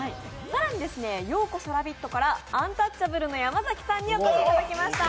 更に「＃ようこそラヴィット！」からアンタッチャブルの山崎さんにお越しいただきました。